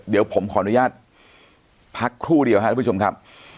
เดี๋ยวผมขออนุญาตพักครู่เดียวครับทุกผู้ชมครับ